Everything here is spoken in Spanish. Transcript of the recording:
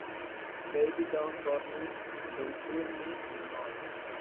Baby don't hurt me, don't hurt me, no more".